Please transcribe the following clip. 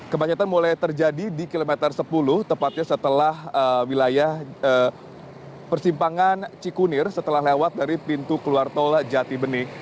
kemacetan mulai terjadi di kilometer sepuluh tepatnya setelah wilayah persimpangan cikunir setelah lewat dari pintu keluar tol jati bening